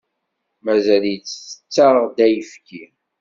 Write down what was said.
Mazal-itt tettaɣ-d ayefki.